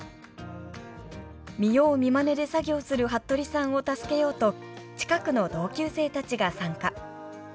見よう見まねで作業する服部さんを助けようと近くの同級生たちが参加。